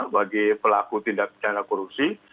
bagi pelaku tindak pidana korupsi